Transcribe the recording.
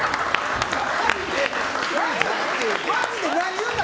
マジで何言うた？